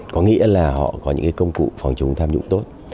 có nghĩa là họ có những công cụ phòng chống tham nhũng tốt